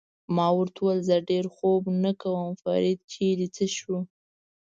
ما ورته وویل: زه ډېر خوب نه کوم، فرید چېرې څه شو؟